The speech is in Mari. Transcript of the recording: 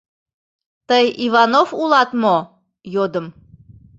— Тый Иванов улат мо? — йодым.